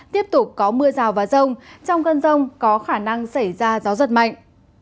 tiếp tục có mưa rào và rông trong cơn rông có khả năng xảy ra gió giật mạnh